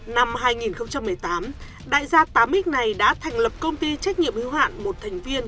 năm hai nghìn một mươi tám đại gia tám x này đã thành lập công ty trách nhiệm hữu hạn một thành viên